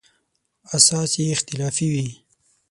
اساس یې اختلافي وي.